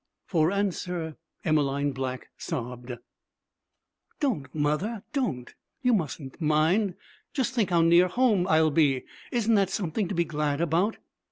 For answer, Emmeline Black sobbed. 'Don't, mother, don't. You mustn't mind. Just think how near home I'll be! Isn't that something to be glad about?'